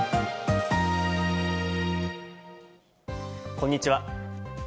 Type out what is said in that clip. こんにちは。